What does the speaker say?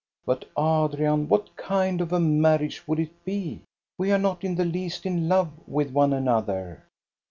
"But, Adrian, what kind of a marriage would it be? We are not in the least in love with one another."